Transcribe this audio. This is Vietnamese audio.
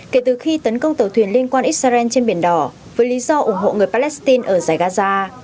kể từ khi tấn công tàu thuyền liên quan israel trên biển đỏ với lý do ủng hộ người palestine ở giải gaza